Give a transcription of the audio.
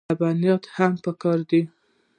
لبنیات هم پکار دي.